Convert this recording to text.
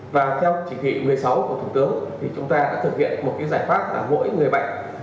và theo chỉ thị một mươi sáu của thủ tướng thì chúng ta đã thực hiện một giải pháp là mỗi người bệnh